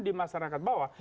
di masyarakat bawah